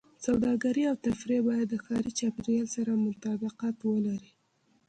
سوداګرۍ او تفریح باید د ښاري چاپېریال سره مطابقت ولري.